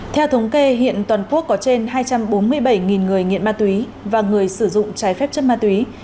theo thống kê hiện toàn quốc có trên hai trăm bốn mươi bảy người nghiện ma túy và người sử dụng trái phép chất ma túy